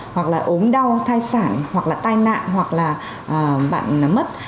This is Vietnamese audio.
hoặc là ốm đau thai sản hoặc là tai nạn hoặc là bạn mất